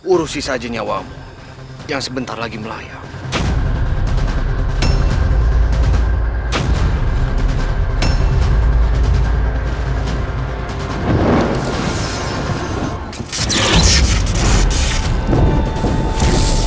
urus saja nyawamu yang sebentar lagi melayang